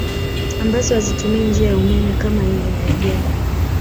Ambazo hazitumii njia ya umeme kama hii inayojengwa